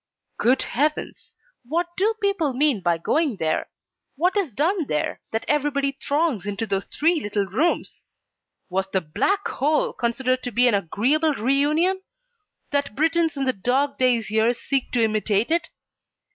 Good heavens! What do people mean by going there? What is done there, that everybody throngs into those three little rooms? Was the Black Hole considered to be an agreeable REUNION, that Britons in the dog days here seek to imitate it?